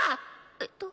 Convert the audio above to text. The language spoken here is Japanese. えっと